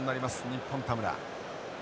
日本田村。